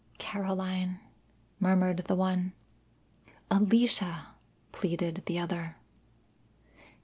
"Caroline!" murmured the one. "Alicia!" pleaded the other.